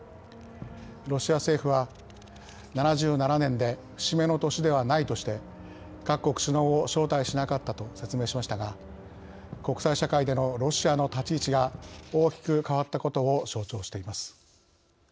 ロシア政府は７７年で節目の年ではないとして各国首脳を招待しなかったと説明しましたが国際社会でのロシアの立ち位置が大きく変わったことを象徴しています。